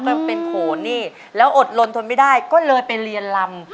มันเป็นโผล่นี่แล้วอดลนทนไม่ได้ก็เลยไปเรียนลำ